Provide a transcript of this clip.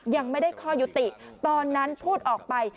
ยังไม่ได้ข้อยุติตอนนั้นพูดออกไป